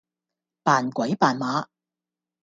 扮鬼扮馬